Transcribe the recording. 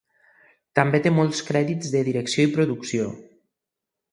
També té molts crèdits de direcció i producció.